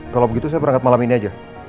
kalau begitu saya berangkat malam ini aja